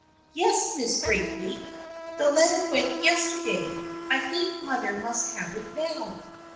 " Yes, Mrs. Braithwaite. The letter went yes terday. I think mother must have it now."